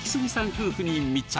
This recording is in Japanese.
夫婦に密着！